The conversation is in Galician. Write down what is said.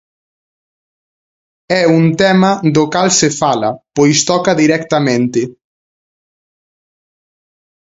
É un tema do cal se fala, pois toca directamente.